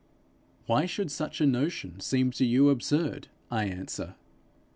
Why should such a notion seem to you absurd? I answer.